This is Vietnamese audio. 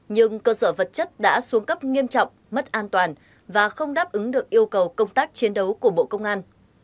nhưng cơ sở vật chất đã xuống cấp nghiêm trọng mất an toàn và không đáp ứng được yêu cầu công tác chiến đấu của bộ công an